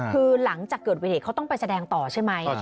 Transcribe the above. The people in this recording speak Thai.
คือหลังจากเกิดวิกฤตเขาต้องไปแสดงต่อใช่ไหม